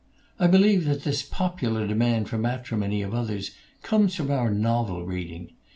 I believe that this popular demand for the matrimony of others comes from our novel reading.